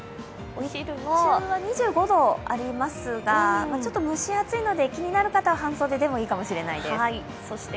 日中は２５度ありますが、気になる方はちょっと蒸し暑いので気になる方は半袖の方がいいかもしれません。